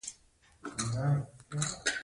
اوږده غرونه د افغانانو د تفریح یوه وسیله ده.